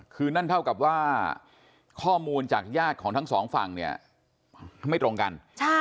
คือนั่นเท่ากับว่าข้อมูลจากญาติของทั้งสองฝั่งเนี่ยไม่ตรงกัน